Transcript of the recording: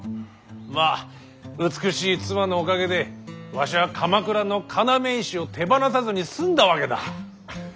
まあ美しい妻のおかげでわしは鎌倉の要石を手放さずに済んだわけだ。